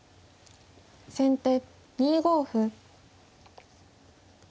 先手２五歩。